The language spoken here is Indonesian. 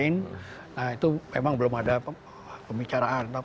nah itu memang belum ada pembicaraan